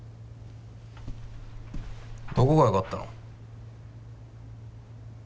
どこがよかったの？